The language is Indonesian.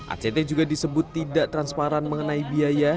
act juga disebut tidak transparan mengenai biaya